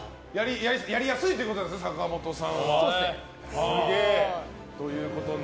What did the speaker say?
やりやすいということですね坂本さんは。